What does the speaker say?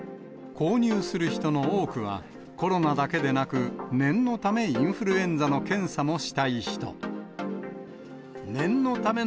購入する人の多くは、コロナだけでなく、念のため、インフルエンザの検査もしたい人。